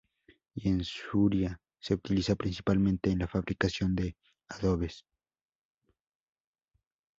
Y en Suria se utiliza principalmente en la fabricación de adobes.